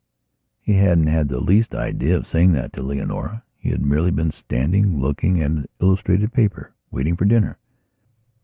He hadn't had the least idea of saying that to Leonora. He had merely been standing, looking at an illustrated paper, waiting for dinner.